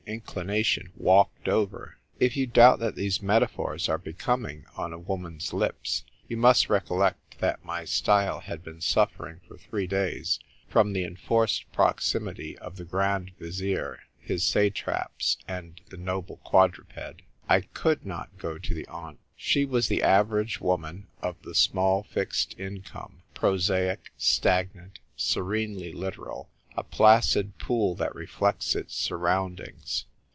Inclination walked over. If you doubt that these meta phors are becoming on a woman's lips, you must recollect that my style had been suffering for three days from the enforced proximity of the Grand Vizier, his satraps, and the noble quadruped. I could not go to the aunt. She was the average woman of the small fixed income ; prosaic, stagnant, serenely literal ; a placid pool that reflects its surroundings.